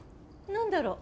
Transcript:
何だろう？